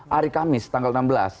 hari kamis tanggal enam belas